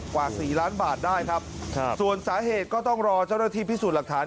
กว่าสี่ล้านบาทได้ครับส่วนสาเหตุก็ต้องรอเจ้าหน้าที่พิสูจน์หลักฐาน